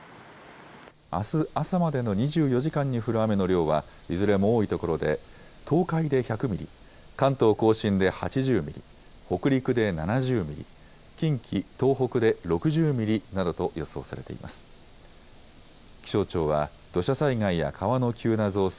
あす朝までの２４時間に降る雨の量はいずれも多いところで東海で１００ミリ、関東甲信で８０ミリ、北陸で７０ミリ、近畿、東北で６０ミリなどと予想されています。